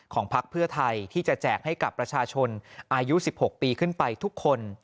พักเพื่อไทยที่จะแจกให้กับประชาชนอายุ๑๖ปีขึ้นไปทุกคน